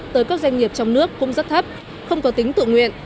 tới các doanh nghiệp trong nước cũng rất thấp không có tính tự nguyện